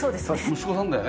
息子さんだよね？